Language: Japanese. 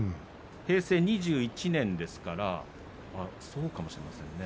平成２１年ですからそうかもしれませんね。